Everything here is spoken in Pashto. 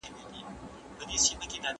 ټول عمر یې په روزنه تېر کړ